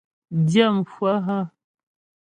Dyə̂mhwə hə́ ?